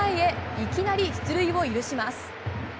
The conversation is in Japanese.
いきなり出塁を許します。